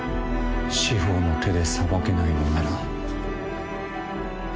司法の手で裁けないのなら。